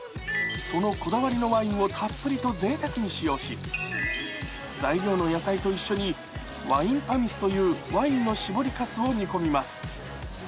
そのこだわりのワインをたっぷりとぜいたくに使用し材料の野菜と一緒にワインパミスというワインの絞りかすを煮込みます。